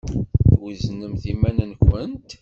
Tweznemt iman-nkent?